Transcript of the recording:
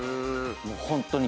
もうホントに。